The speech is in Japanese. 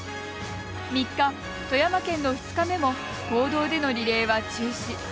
３日、富山県の２日目も公道でのリレーは中止。